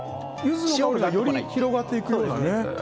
塩がより広がっていくような。